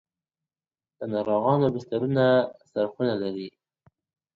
د ناروغانو بسترونه څرخونه لري؟